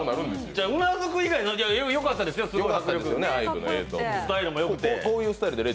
ちゃう、うなずく以外のよかったですよ、スタイルもよくて。